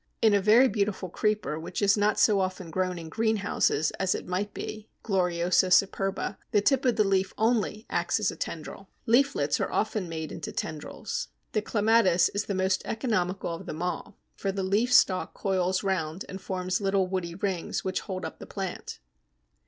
In a very beautiful creeper which is not so often grown in greenhouses as it might be (Gloriosa superba), the tip of the leaf only acts as a tendril. Leaflets are often made into tendrils. The Clematis is the most economical of them all, for the leaf stalk coils round and forms little woody rings which hold up the plant.